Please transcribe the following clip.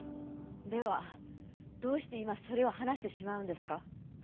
ではどうして今それを話してしまうんですか？